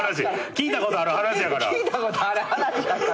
「聞いたことある話やから」